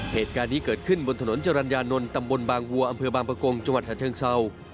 เหตุการณ์นี้เกิดขึ้นบนถนนจรรยานนท์ตำบลบางวัวอำเภอบางประกงจังหวัดฉะเชิงเศร้า